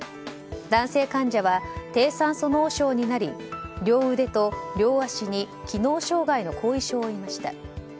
男性患者は低酸素脳症になり両腕と両足に機能障害の後遺症を負いました。